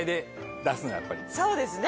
そうですね。